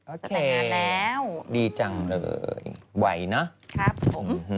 โอเคดีจังเลยไหวนะครับผม